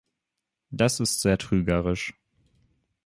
Das ist sehr trügerisch.